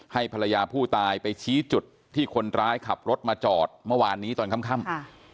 ให้ภรรยาผู้ตายไปชี้จุดที่คนร้ายขับรถมาจอดเมื่อวานนี้ตอนค่ำ